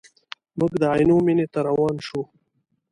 موږ د عینو مینې ته روان شوو.